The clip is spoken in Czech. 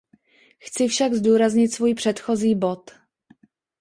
Chci však zdůraznit svůj předchozí bod.